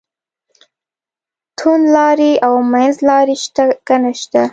توندلاري او منځلاري شته که نشته.